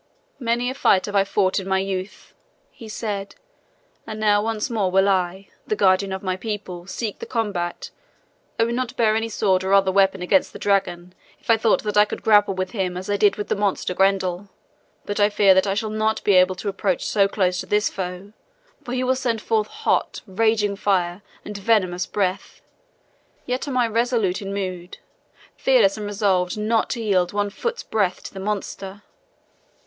"Many a fight have I fought in my youth," he said, "and now once more will I, the guardian of my people, seek the combat. I would not bear any sword or other weapon against the dragon if I thought that I could grapple with him as I did with the monster Grendel. But I fear that I shall not be able to approach so close to this foe, for he will send forth hot, raging fire and venomous breath. Yet am I resolute in mood, fearless and resolved not to yield one foot's breadth to the monster.